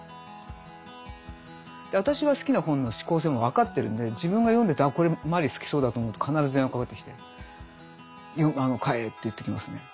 私が好きな本の嗜好性も分かってるんで自分が読んでて「あこれマリ好きそうだ」と思うと必ず電話かかってきて買えって言ってきますね。